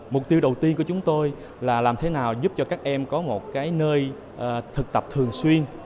mục tiêu đầu tiên của chúng tôi là làm thế nào giúp cho các em có một cái nơi thực tập thường xuyên